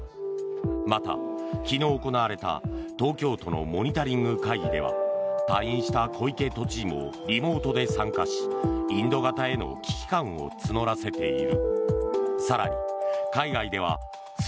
また、昨日行われた東京都のモニタリング会議では退院した小池都知事もリモートで参加しインド型への危機感を募らせている。